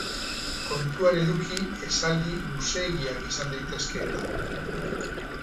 Kontuan eduki esaldi luzeegiak izan daitezkeela.